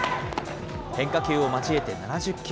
変化球を交えて７０球。